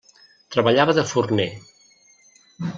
Treballava de forner.